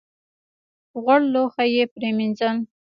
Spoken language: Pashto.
غوړ لوښي یې پرېمینځل .